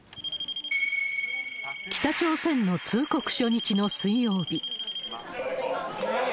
北朝鮮の通告初日の水曜日。